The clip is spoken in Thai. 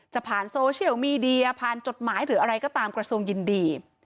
จะผ่านโซเชียลมีเดียผ่านจดหมายหรืออะไรก็ตามกระทรวงยินดี